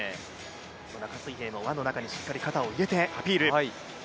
中水平、輪の中に肩を入れてアピール。